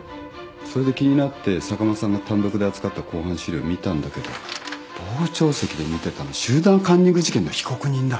それで気になって坂間さんが単独で扱った公判資料見たんだけど傍聴席で見てたの集団カンニング事件の被告人だ。